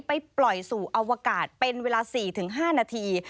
ไปปล่อยสู่อวกาศเป็นเวลา๔๕นาที